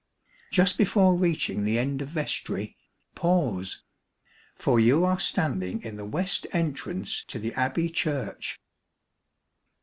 Just before reaching the end of vestry, pause! for you are standing in the west entrance to the Abbey Church.